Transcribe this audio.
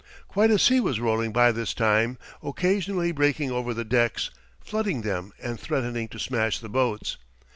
Quite a sea was rolling by this time, occasionally breaking over the decks, flooding them and threatening to smash the boats.